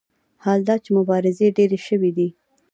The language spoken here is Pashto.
حال دا چې مبارزې ډېرې شوې دي.